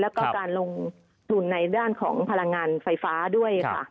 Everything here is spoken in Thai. แล้วก็การลงทุนในด้านของพลังงานไฟฟ้าด้วยค่ะ